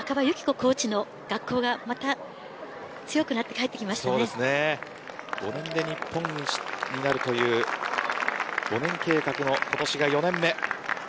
コーチの学校がまた５年で日本一になるという５年計画の今年が４年目。